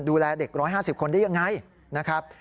ดูแลเด็ก๑๕๐คนได้ยังไงนะครับ